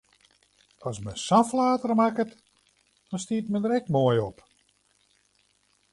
As men sa'n flater makket, dan stiet men der ek moai op!